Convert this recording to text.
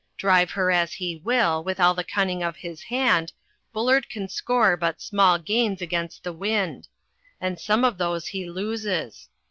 Drive her as he will, with all the cunning of his hand, Bullard can score but small gains against the wind. And some of these he loses.